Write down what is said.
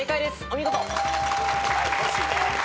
お見事。